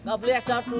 nggak beli sd dulu